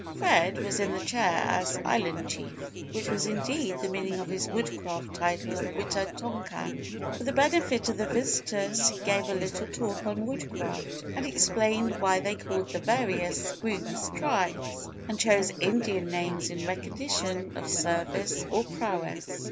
Fred was in the chair as "Island Chief" which was indeed the meaning of his Woodcraft title of Wita tonkan. For the benefit of the visitors he gave a little talk on Woodcraft and explained why they called the various groups Tribes, and chose Indian names in recognition of service or prowess.